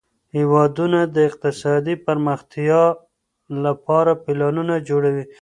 هیوادونه د اقتصادي پرمختیا لپاره پلانونه جوړوي.